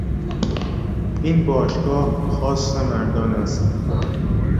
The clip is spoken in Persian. این باشگاه خاص مردان است.